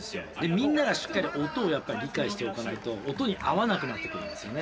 みんながしっかり音をやっぱ理解しておかないと音に合わなくなってくるんですよね。